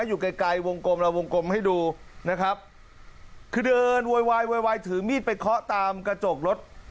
อยู่ไกลไกลวงกลมเราวงกลมให้ดูนะครับคือเดินโวยวายโวยวายถือมีดไปเคาะตามกระจกรถ